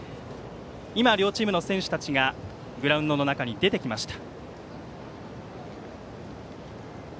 今、両チームの選手たちがグラウンドの中に出てきました。